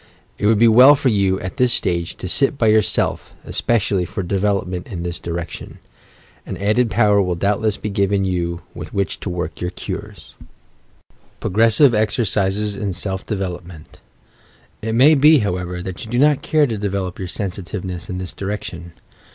It would be well for you, at this stage, to sit by yourself especially for development in this direction; and added power will doubtless be given you with wliieh to work your cures, PROGRESSIVE EXERCISES IN SELF DEVELOPMENT It may be, however, that you do not care to develop your sensitiveness in this direction.